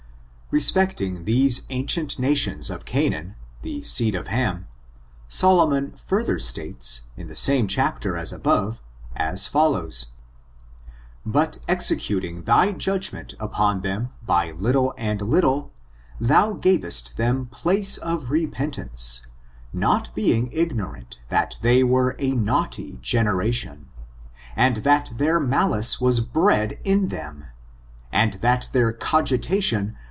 Respecting these ancient nations of Canaan, the .> <^^»^^^^f>^ ^#^^^^ I ' FORTUNES, OF THE NEGRO RACE. 237 seed of Ham, Solomon further states, in the same chapter, as above, as follows: "But executing thy judgment upon them by little and little, thou gavest them place of repentance, not being ignorant that they were a fiaiightt/ generation, and that their ma lice was bred in them, and that their cogitation